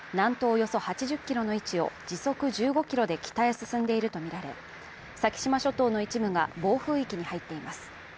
およそ８０ｋｍの位置を時速１５キロで北へ進んでいるとみられ、先島諸島の一部が暴風域に入っています。